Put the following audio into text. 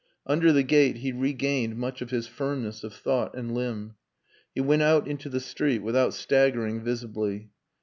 Under the gate he regained much of his firmness of thought and limb. He went out into the street without staggering visibly.